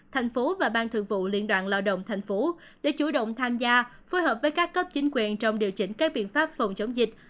thành phố và ban thường vụ liên đoàn lao động thành phố đã chủ động tham gia phối hợp với các cấp chính quyền trong điều chỉnh các biện pháp phòng chống dịch